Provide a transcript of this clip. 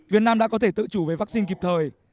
việt nam đã có thể tự chủ về vaccine kịp thời